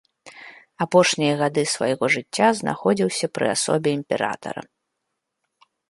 Апошнія гады свайго жыцця знаходзіўся пры асобе імператара.